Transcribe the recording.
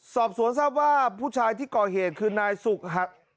สอบสวนทราบว่าผู้ชายที่ก่อเหตุคือนายสุกหัก